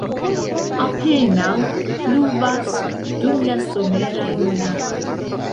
Apenaŭ pluvas dum la someraj monatoj.